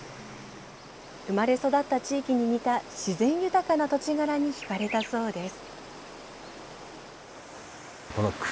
生まれ育った地域に似た自然豊かな土地柄にひかれたそうです。